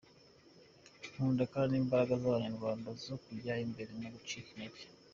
Nkunda kandi imbaraga z’Abanyarwanda zo kujya imbere nta gucika intege.